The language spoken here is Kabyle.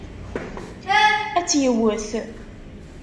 Ad tt-yewwet.